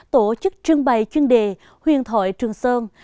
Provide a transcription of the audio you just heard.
tổ chức trưng bày chuyên đề huyền thội trường sơn